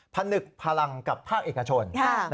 ผนึกพลังกับภาคเอกชน